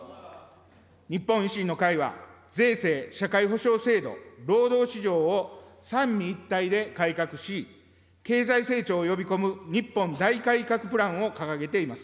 日本維新の会は税制、社会保障制度、労働市場を三位一体で改革し、経済成長を呼び込む日本大改革プランを掲げています。